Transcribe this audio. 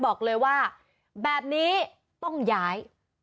บอกเลยว่าแบบนี้ต้องย้าย